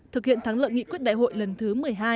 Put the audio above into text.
thực hiện thắng lợi nghị quyết đại hội lần thứ một mươi hai